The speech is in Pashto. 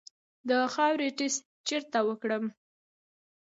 د خاورې ټسټ چیرته وکړم؟